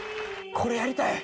これやりたい！